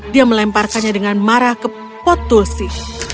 dia melemparkannya dengan marah ke pot tulsi